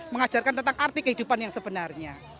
mengajarkan tentang arti kehidupan yang sebenarnya